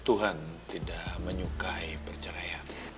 tuhan tidak menyukai perceraian